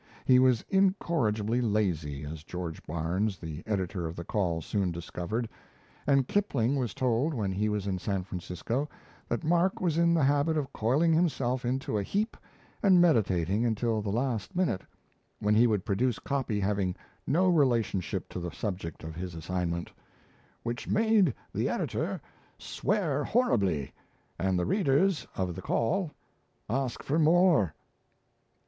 He was incorrigibly lazy, as George Barnes, the editor of the Call, soon discovered; and Kipling was told when he was in San Francisco that Mark was in the habit of coiling himself into a heap and meditating until the last minute, when he would produce copy having no relationship to the subject of his assignment "which made the editor swear horribly, and the readers of 'The Call' ask for more."